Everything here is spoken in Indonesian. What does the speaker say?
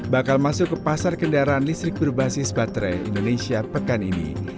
bakal masuk ke pasar kendaraan listrik berbasis baterai indonesia pekan ini